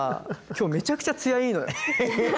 今日めちゃくちゃ艶いいのよ。